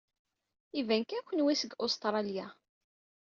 Iban kan kenwi seg Ustṛalya.